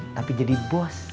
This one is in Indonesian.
tapi jadi bos